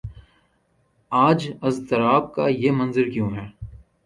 آج اضطراب کا یہ منظر کیوں ہے؟